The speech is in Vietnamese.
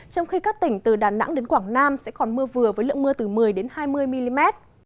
trong khi các tỉnh từ đà nẵng đến quảng nam sẽ còn mưa vừa với lượng mưa từ một mươi hai mươi mm